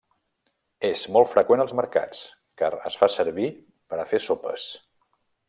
És molt freqüent als mercats, car es fa servir per a fer sopes.